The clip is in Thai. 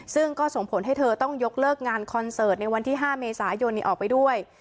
ซึ่งก็ส่งผลให้เธอต้องยกเลิกงานคอนเสิร์ตในวันที่๕เมษายนออกไปด้วย